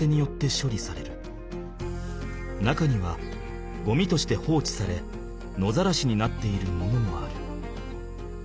中にはゴミとして放置され野ざらしになっているものもある。